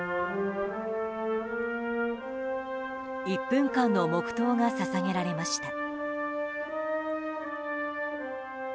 １分間の黙祷が捧げられました。